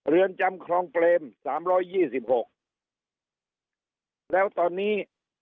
เรือนจำคลองเปรมสามร้อยยี่สิบหกแล้วตอนนี้